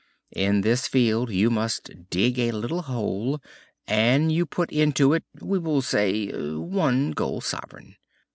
In this field you must dig a little hole, and you put into it, we will say, one gold sovereign.